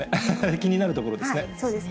気になるところですね。